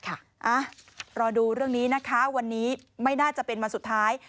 รอดูเรื่องนี้นะคะวันนี้ไม่น่าจะเป็นวันสุดท้าย